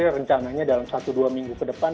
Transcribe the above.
rencananya dalam satu dua minggu ke depan